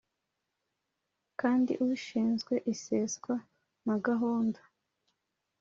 kandi ushinzwe iseswa na gahunda